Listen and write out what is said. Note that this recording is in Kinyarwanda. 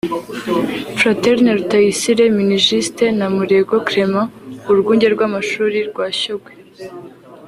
Fraterne Rutayisire (Minijust) na Murego Clement (Urwunge r’amashuri rwa Shyogwe)